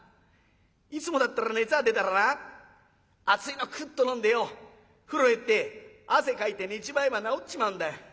いつもだったら熱が出たらな熱いのくっと飲んでよ風呂入って汗かいて寝ちまえば治っちまうんだ。